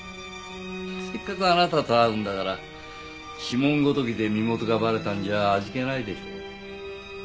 せっかくあなたと会うんだから指紋ごときで身元がバレたんじゃ味気ないでしょ。